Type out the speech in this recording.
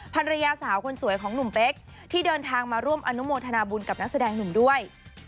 ภรรยาสาวคนสวยของหนุ่มเป๊กที่เดินทางมาร่วมอนุโมทนาบุญกับนักแสดงหนุ่มด้วย